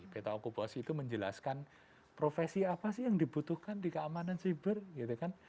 peta okuposi itu menjelaskan profesi apa sih yang dibutuhkan di keamanan siber gitu kan